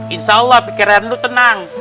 insya allah pikiran lu tenang